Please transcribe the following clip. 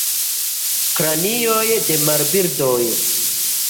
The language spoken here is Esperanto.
Kranioj de marbirdoj.